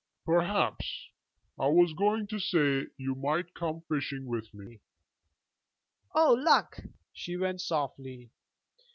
'Perhaps.... I was going to say ... you might come fishing with me....' 'O luck!' she went softly.